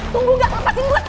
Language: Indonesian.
tunggu gak lepasin gue